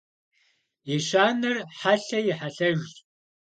Ещанэр хьэлъэ и хьэлъэжщ.